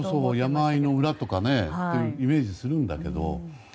山あいの村とかイメージするんだけど。